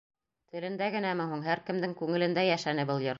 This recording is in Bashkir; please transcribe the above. Телендә генәме һуң, һәр кемдең күңелендә йәшәне был йыр.